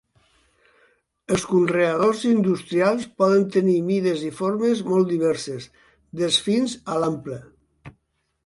Els conreadors industrials poden tenir mides i formes molt diverses, des fins a l'ample.